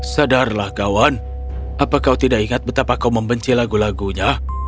sadarlah kawan apa kau tidak ingat betapa kau membenci lagu lagunya